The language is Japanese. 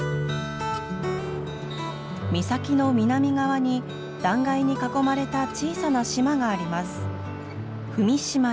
岬の南側に断崖に囲まれた小さな島があります。